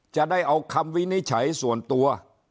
จะได้เอาคำวินิจฉัยส่วนตัว